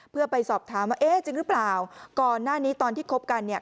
เพื่อไปสอบถามว่าเอ๊ะจริงหรือเปล่าก่อนหน้านี้ตอนที่คบกันเนี่ย